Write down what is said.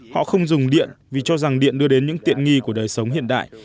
họ không dùng điện vì cho rằng điện đưa đến những tiện nghi của đời sống hiện đại